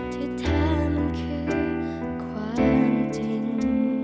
ที่ทำคือความจริง